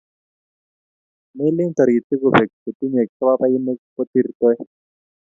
Melen toritik kubek che tinyei kababainik ko tirtoi